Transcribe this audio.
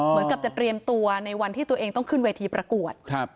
เหมือนกับจะเตรียมตัวในวันที่ตัวเองต้องขึ้นเวทีประกวด